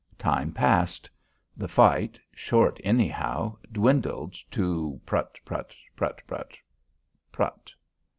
Time passed. The fight, short anyhow, dwindled to prut ... prut ... prut prut ... prut.